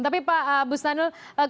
tapi pak bustanul